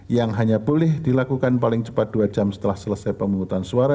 yang hanya boleh dilakukan paling cepat dua jam setelah selesai pemungutan suara